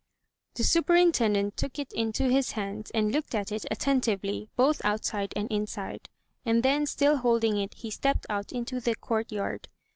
The superintendent took it into his hands and looked at it attentively, both outside and inside. And then, still holding it, he stepped out into the court yard.